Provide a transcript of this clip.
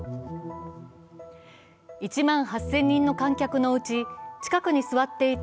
１万８０００人の観客のうち近くに座っていた